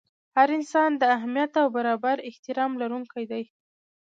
هر انسان د اهمیت او برابر احترام لرونکی دی.